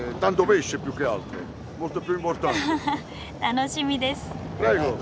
楽しみです。